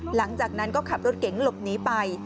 หลังจากนั้นก็ขับรถเก๋งหลบหนีไป